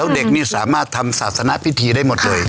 เด็กนี่สามารถทำศาสนพิธีได้หมดเลย